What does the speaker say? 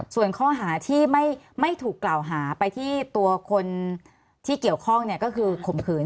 ส่วนข้อหาที่ไม่ถูกกล่าวหาไปที่ตัวคนที่เกี่ยวข้องก็คือข่มขืน